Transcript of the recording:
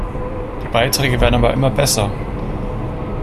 Die Beiträge werden aber immer besser.